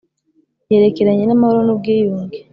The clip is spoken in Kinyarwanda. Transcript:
yerekeranye n’amahoro n’ubwiyunge,